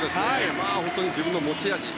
本当に自分の持ち味